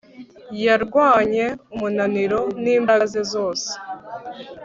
yarwanye umunaniro n'imbaraga ze zose